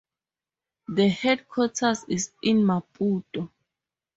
The headquarters is in Maputo.